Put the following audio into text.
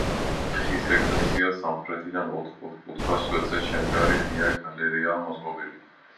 ხის ეკლესიას სამხრეთიდან ოთხ ოთკუთხა სვეტზე შემდგარი ღია გალერეაა მოწყობილი.